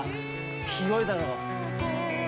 広いだろ。